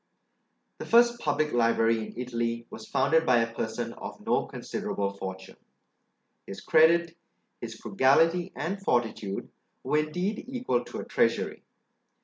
The first public library in Italy was founded by a person of no considerable fortune: his credit, his frugality, and fortitude, were indeed equal to a treasury.